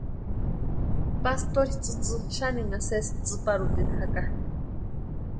Pastori tsïtsï xaninha sési tsïparhutini jaka.